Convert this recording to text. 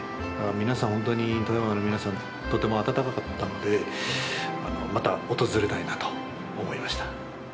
皆さん、ほんとに富山の皆さん、とても温かかったので、また訪れたいなと思いました。